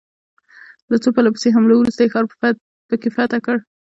له څو پرله پسې حملو وروسته یې ښار په کې فتح کړ.